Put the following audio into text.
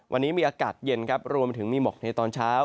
วันนี้มีอากาศเย็นครับรวมไปถึงมีหมอกในตอนเช้า